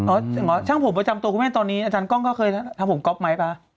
หมอช่างผมประจำตัวคุณแม่ตอนนี้อาจารย์กล้องก็เคยทำผมก๊อฟไหมป่ะ